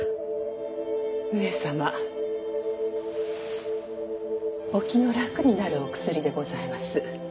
上様お気の楽になるお薬でございます。